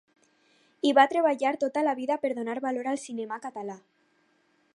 I va treballar tota la vida per donar valor al cinema català.